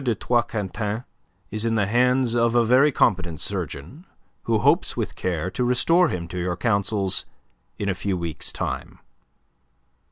des Troiscantins is in the hands of a very competent surgeon who hopes with care to restore him to your councils in a few weeks' time."